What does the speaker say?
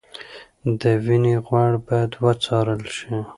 د وینې غوړ باید وڅارل شي.